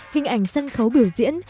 hình ảnh sân khấu biểu diễn